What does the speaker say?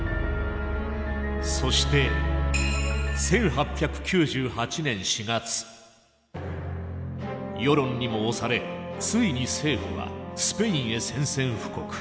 そして世論にも押されついに政府はスペインへ宣戦布告。